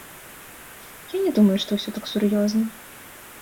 Я не думаю, што ўсё так сур'ёзна.